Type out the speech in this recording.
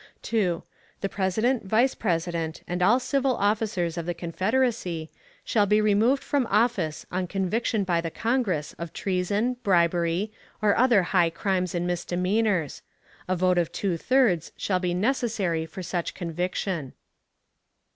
2. The President, Vice President, and all civil officers of the Confederacy shall be removed from office on conviction by the Congress of treason, bribery, or other high crimes and misdemeanors; a vote of two thirds shall be necessary for such conviction.